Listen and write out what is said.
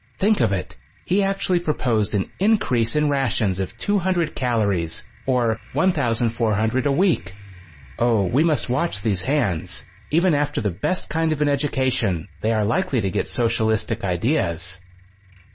Think of it! He actually proposed an increase in rations of 200 calories, or 1,400 a week. Oh, we must watch these hands. Even after the best kind of an education they are likely to get socialistic ideas."